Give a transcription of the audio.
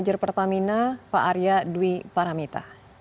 dan terima kasih banyak atas waktunya pak